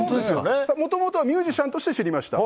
もともとはミュージシャンとして知りました。